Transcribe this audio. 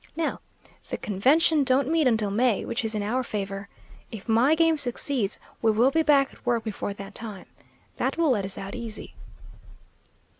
Now, the convention don't meet until May, which is in our favor. If my game succeeds, we will be back at work before that time. That will let us out easy."